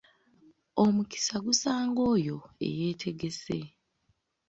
Omukisa gusanga oyo eyeetegese.